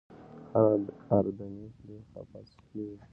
هر اردني پرې خپه کېږي.